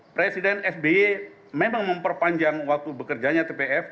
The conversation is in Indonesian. presiden sby memang memperpanjang waktu bekerjanya tpf